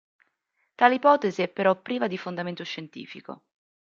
Tale ipotesi è però priva di fondamento scientifico.